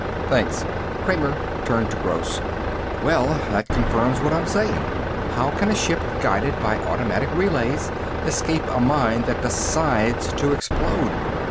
"Thanks." Kramer turned to Gross. "Well, that confirms what I'm saying. How can a ship guided by automatic relays escape a mine that decides to explode?